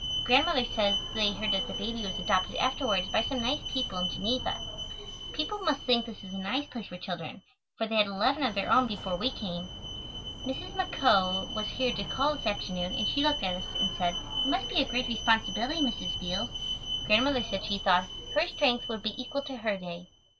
Grandmother says they heard that the baby was adopted afterwards by some nice people in Geneva. People must think this is a nice place for children, for they had eleven of their own before we came. Mrs. McCoe was here to call this afternoon and she looked at us and said: "It must be a great responsibility, Mrs. Beals." Grandmother said she thought "her strength would be equal to her day."